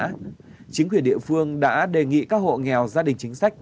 ủy ban nhân dân xã đức nhuận đã đề nghị các hộ nghèo gia đình chính sách